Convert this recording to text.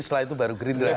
setelah itu baru greenland